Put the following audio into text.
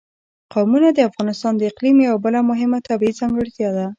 قومونه د افغانستان د اقلیم یوه بله مهمه طبیعي ځانګړتیا ده.